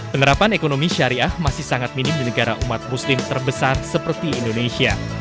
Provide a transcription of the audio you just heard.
penerapan ekonomi syariah masih sangat minim di negara umat muslim terbesar seperti indonesia